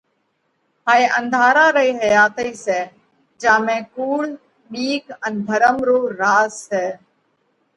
هائي انڌارا رئِي حياتئِي سئہ جيا ۾ ڪُوڙ، ٻِيڪ ان ڀرم رو راز سئہ۔